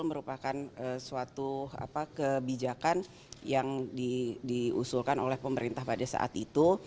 merupakan suatu kebijakan yang diusulkan oleh pemerintah pada saat itu